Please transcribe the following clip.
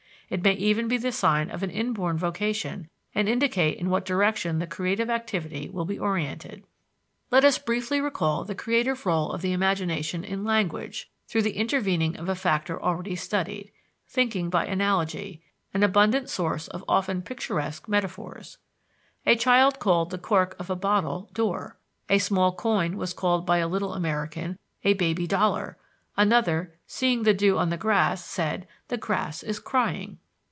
It may even be the sign of an inborn vocation and indicate in what direction the creative activity will be orientated. Let us briefly recall the creative rôle of the imagination in language, through the intervening of a factor already studied thinking by analogy, an abundant source of often picturesque metaphors. A child called the cork of a bottle "door;" a small coin was called by a little American a "baby dollar;" another, seeing the dew on the grass, said, "The grass is crying."